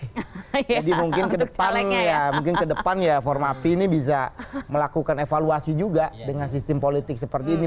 jadi mungkin ke depan ya formapi ini bisa melakukan evaluasi juga dengan sistem politik seperti ini